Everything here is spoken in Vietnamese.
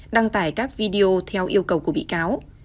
đăng tải các video theo yêu cầu của bị cáo